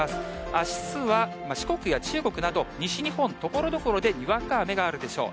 あすは四国や中国など、西日本、ところどころでにわか雨があるでしょう。